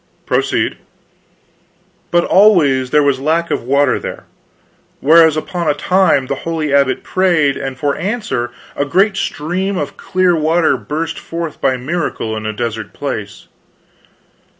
"Proceed." "But always there was lack of water there. Whereas, upon a time, the holy abbot prayed, and for answer a great stream of clear water burst forth by miracle in a desert place.